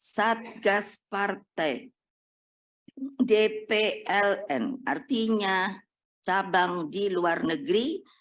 satgas partai dpln artinya cabang di luar negeri